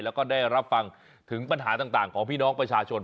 แล้วก็ได้รับฟังถึงปัญหาต่างของพี่น้องประชาชน